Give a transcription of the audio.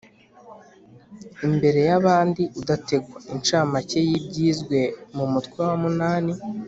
imbere ya bandi udategwa.inshamake y'ibyizwe mu mutwe wa munani